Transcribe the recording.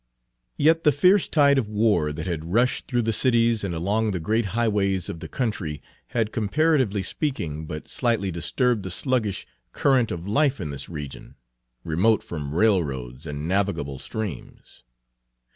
Yet the fierce tide of war that had rushed through the cities and along the great highways of the country had comparatively Page 61 speaking but slightly disturbed the sluggish current of life in this region, remote from railroads and navigable streams.